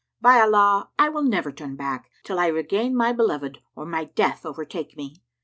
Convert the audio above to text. By Allah, I will never turn back, till I regain my beloved or my death overtake me!"